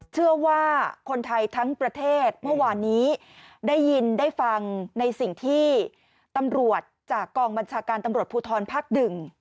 เชื่อว่าคนไทยทั้งประเทศเมื่อวานนี้ได้ยินได้ฟังในสิ่งที่ตำรวจจากกองบัญชาการตำรวจภูทรภาคหนึ่ง